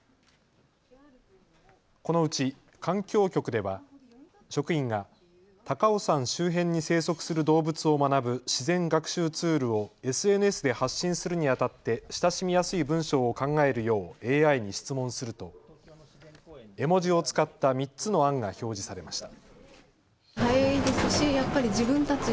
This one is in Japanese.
このうち環境局では職員が高尾山周辺に生息する動物を学ぶ自然学習ツールをＳＮＳで発信するにあたって親しみやすい文章を考えるようＡＩに質問すると絵文字を使った３つの案が表示されました。